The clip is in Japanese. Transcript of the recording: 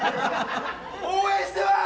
応援してます。